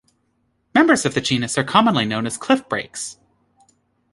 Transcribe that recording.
Members of the genus are commonly known as cliffbrakes.